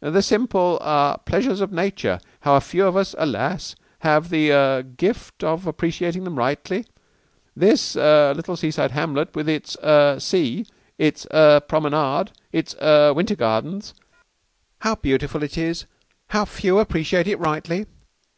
"The simple ah pleasures of nature. How few of us alas! have the er gift of appreciating them rightly. This er little seaside hamlet with its er sea, its er promenade, its er Winter Gardens! How beautiful it is! How few appreciate it rightly."